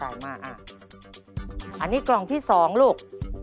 อันนี้กล่องที่๒ลูก